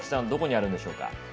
どこにあるんでしょうか。